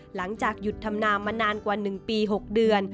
หลังจากหยุดทำนามานานกว่า๑ปี๖เดือน